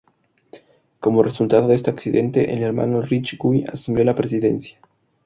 Como resultado de este accidente el hermano Rich, Guy, asumió la presidencia.